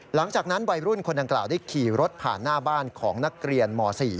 หลังจากนั้นวัยรุ่นคนดังกล่าวได้ขี่รถผ่านหน้าบ้านของนักเรียนม๔